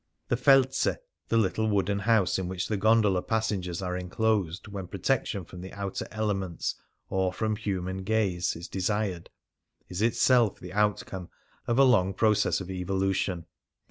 The felze — the little wooden house in which the gondola passengers are enclosed when protection from the outer elements or from human gaze is desired — is itself the outcome of a long process of evolution.